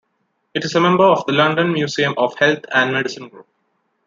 It is a member of The London Museums of Health and Medicine group.